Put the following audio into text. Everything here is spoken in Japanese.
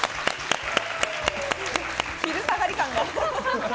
昼下がり感が。